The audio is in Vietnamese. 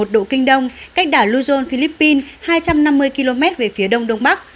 một trăm hai mươi bốn một độ kinh đông cách đảo luzon philippines hai trăm năm mươi km về phía đông đông bắc